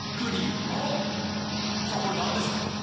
さあこれ何でしょう？